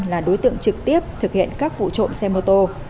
là đối tượng trực tiếp thực hiện các vụ trộm xe mô tô